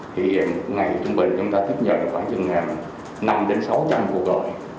thì ngày trung bình chúng ta thích nhờ khoảng chừng năm sáu trăm linh cuộc gọi